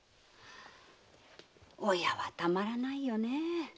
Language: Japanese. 親はたまらないよね。